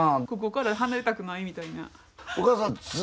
ここから離れたくないみたいな。